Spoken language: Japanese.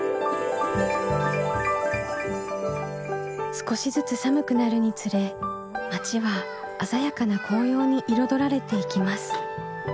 少しずつ寒くなるにつれ町は鮮やかな紅葉に彩られていきます。